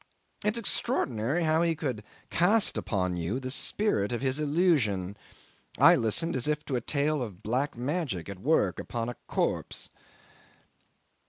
It's extraordinary how he could cast upon you the spirit of his illusion. I listened as if to a tale of black magic at work upon a corpse.